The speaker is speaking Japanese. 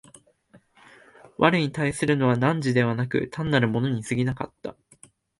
我に対するのは汝でなく、単なる物に過ぎなかった。